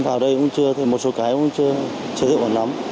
vào đây một số cái cũng chưa được hoàn lắm